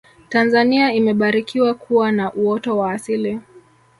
tanzania imebarikiwa kuwa na uoto wa asili